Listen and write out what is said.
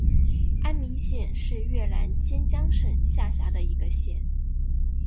安明县是越南坚江省下辖的一个县。